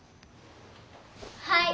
はい！